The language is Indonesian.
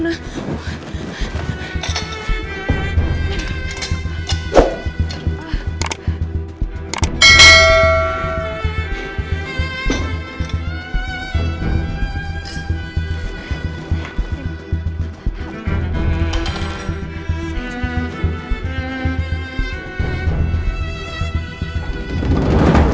tidak tidak tidak